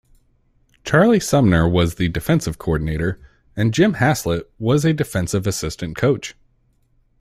Charlie Sumner was the defensive coordinator and Jim Haslett was a defensive assistant coach.